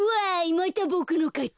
またボクのかち。